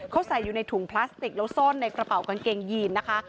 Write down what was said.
เขาใส่อยู่ในถุงพลาสติกแล้วซ่อนในกระเป๋ากางเกงยีนนะคะ